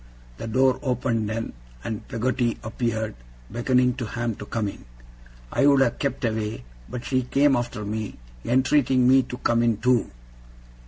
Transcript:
The door opened then, and Peggotty appeared, beckoning to Ham to come in. I would have kept away, but she came after me, entreating me to come in too.